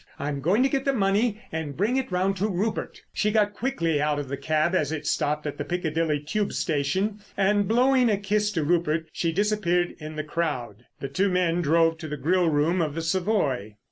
I am going to get the money and bring it round to Rupert!" She got quickly out of the cab as it stopped at the Piccadilly Tube Station and, blowing a kiss to Rupert, she disappeared in the crowd. The two men drove to the grillroom of the Savoy.